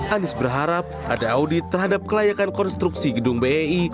anies berharap ada audit terhadap kelayakan konstruksi gedung bei